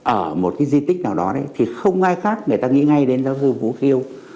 ở một di tích nào đó thì không ai khác người ta nghĩ ngay đến giáo sư vũ khiêu